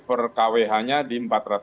per kwh nya di empat ratus lima puluh